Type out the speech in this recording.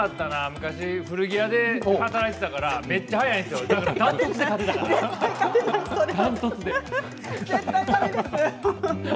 昔古着屋で働いていたから断トツ早いんですよ。